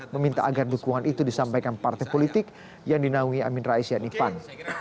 meminta agar dukungan itu disampaikan partai politik yang dinaungi amin rais yakni pan